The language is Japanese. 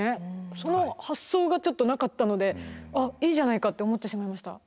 その発想がちょっとなかったのであっいいじゃないかって思ってしまいました。